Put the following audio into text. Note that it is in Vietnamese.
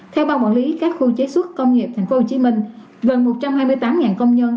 theo ban quản lý các khu chế xuất công nghiệp tp hcm gần một trăm hai mươi tám công nhân